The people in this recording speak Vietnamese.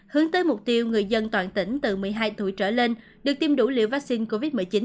hướng tới mục tiêu người dân toàn tỉnh từ một mươi hai tuổi trở lên được tiêm đủ liều vaccine covid một mươi chín